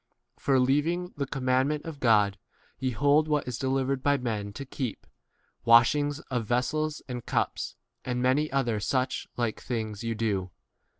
For, leaving the com mandment of God, ye hold what is delivered by men [to keep] — washings of vessels and cups, and many other such like things ye do.